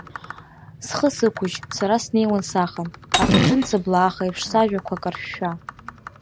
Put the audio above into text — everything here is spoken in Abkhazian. Схы сықәыжь, сара снеиуан сахан, аҭаҭын цыблаахеиԥш сажәақәа каршәшәа.